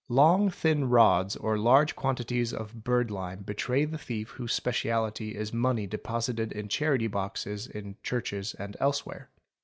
Long thin rods or large quantities of bird lime betray the thief whose speciality is money deposited in charity boxes in churches and elsewhere.